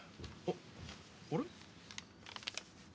あっあれ？